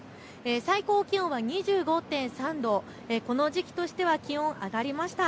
最高気温は２５．３度、この時期としては気温、上がりました。